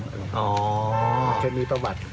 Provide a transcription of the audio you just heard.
อยู่ด้านนั้นก็เข้ามีประวัติ